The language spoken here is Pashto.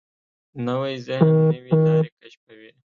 نوی ذهن نوې لارې کشفوي